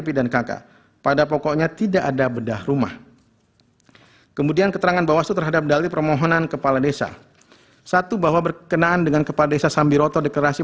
tiga puluh empat bawa keterangan bawaslu berkaitan dengan kegiatan cari